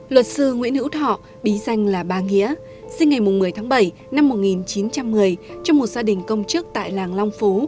luật sư nguyễn hữu thọ bí danh là ba nghĩa sinh ngày một mươi tháng bảy năm một nghìn chín trăm một mươi trong một gia đình công chức tại làng long phú